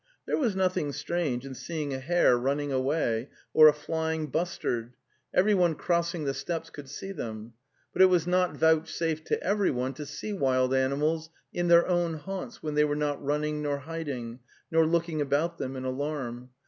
There was nothing strange in seeing a hare running The Steppe 227 away or a flying bustard — everyone crossing the steppes could see them; but it was not vouchsafed to everyone to see wild animals in their own haunts when they were not running nor hiding, nor looking about them in alarm.